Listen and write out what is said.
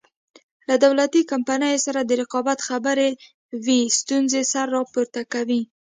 له دولتي کمپنیو سره د رقابت خبره وي ستونزې سر راپورته کوي.